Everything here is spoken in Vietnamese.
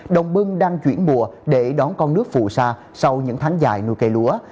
đồng bưng đang chuyển mùa để đón con nước phù sa sau những tháng dài nuôi cây lúa